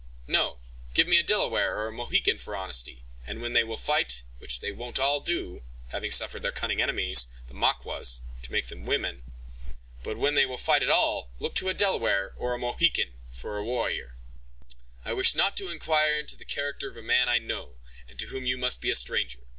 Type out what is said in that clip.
No, give me a Delaware or a Mohican for honesty; and when they will fight, which they won't all do, having suffered their cunning enemies, the Maquas, to make them women—but when they will fight at all, look to a Delaware, or a Mohican, for a warrior!" "Enough of this," said Heyward, impatiently; "I wish not to inquire into the character of a man that I know, and to whom you must be a stranger.